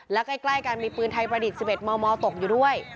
และใกล้กันมีปืนไทยประดิษฐ์๑๑มมตกอยู่ด้วย